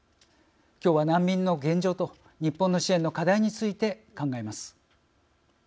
きょうは難民の現状と日本の支援の課題について考えます。